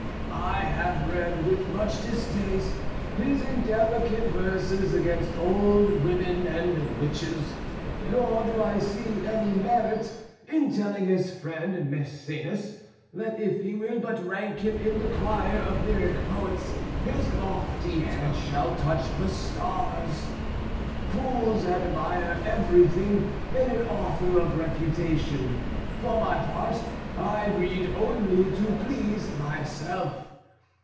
I have read with much distaste his indelicate verses against old women and witches; nor do I see any merit in telling his friend Mæcenas that if he will but rank him in the choir of lyric poets, his lofty head shall touch the stars. Fools admire everything in an author of reputation. For my part, I read only to please myself.